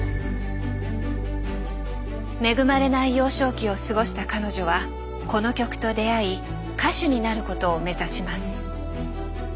恵まれない幼少期を過ごした彼女はこの曲と出会い歌手になることを目指します。